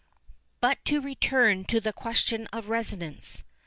But to return to the question of resonance.